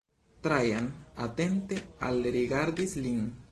Trajan atente alrigardis lin.